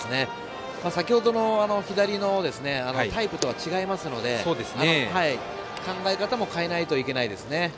先ほどの左のタイプとは違いますので考え方も変えないといけないですね。